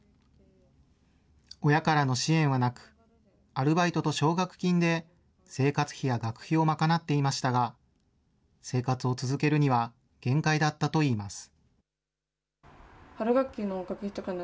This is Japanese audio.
親からの支援はなく、アルバイトと奨学金で生活費や学費をまかなっていましたが、生活を続けるには限界だったといいます。